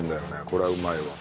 これはうまいわ。